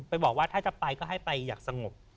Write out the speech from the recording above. บอกว่าถ้าจะไปก็ให้ไปอย่างสงบ